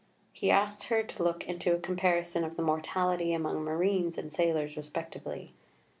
He asks her to look into a comparison of the mortality among marines and sailors respectively.